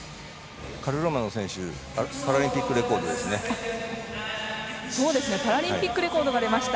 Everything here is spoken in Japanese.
カルロマノ選手パラリンピックレコードですね。